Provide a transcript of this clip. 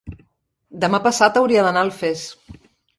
demà passat hauria d'anar a Alfés.